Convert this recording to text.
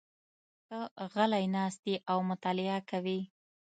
ته غلی ناست یې او مطالعه کوې.